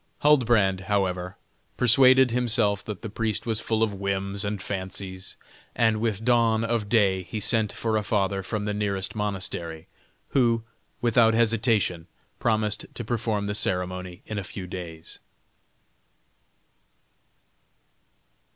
Huldbrand, however, persuaded himself that the priest was full of whims and fancies, and with dawn of day he sent for a father from the nearest monastery, who, without hesitation, promised to perform the ceremony in a few days.